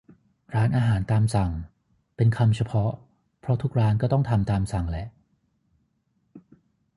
ร้านอาหารตามสั่ง เป็นคำเฉพาะ เพราะทุกร้านก็ต้องทำตามสั่งแหละ